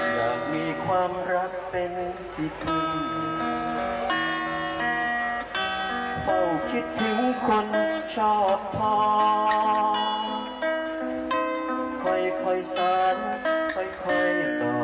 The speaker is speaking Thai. ก็เป็นรักหนักนั้นจริง